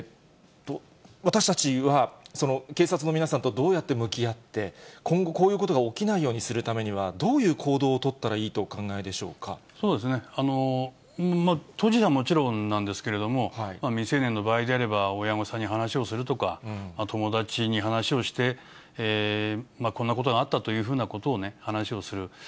私たちは警察の皆さんとどうやって向き合って、今後、こういうことが起きないようにするためには、どういう行動を取っ当事者はもちろんなんですけれども、未成年の場合であれば、親御さんに話をするとか、友達に話をして、こんなことがあったというふうなことを話をする。